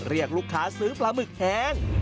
เรียกลูกค้าซื้อปลาหมึกแห้ง